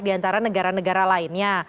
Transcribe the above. diantara negara negara lainnya